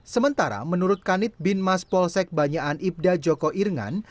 sementara menurut kanit bin mas polsek banyakan ibda joko irngan